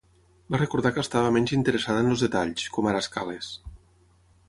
Va recordar que estava menys interessada en els detalls, com ara escales.